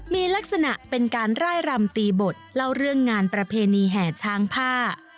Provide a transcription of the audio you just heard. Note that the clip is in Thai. มีลักษณะเป็นการร่ายรำตีบทเล่าเรื่องงานประเพณีแห่ช้างผ้า